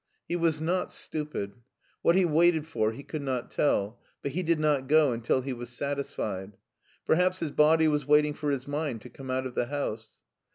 He was not stupid; what he waited for he could not tell, but he did not go until he was satisfied. Perhaps his body was waiting for his mind to come out of the house.